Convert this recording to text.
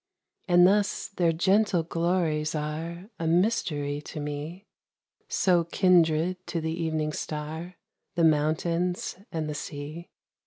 And thus their gentle glories are A mystery to me So kindred to the evening star, The mountains and the sea, TO ONE LOVED.